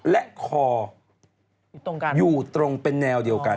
และคออยู่ตรงเป็นแนวเดียวกัน